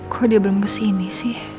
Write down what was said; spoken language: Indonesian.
kok dia belum kesini sih